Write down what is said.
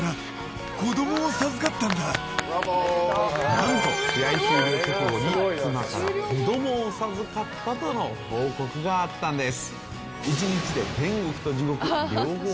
何と試合終了直後に妻から子供を授かったとの報告があったんです。